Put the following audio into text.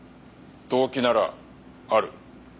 動機ならある。